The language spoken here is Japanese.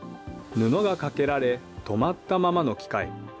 布がかけられ、止まったままの機械。